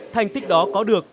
thành tích đó có được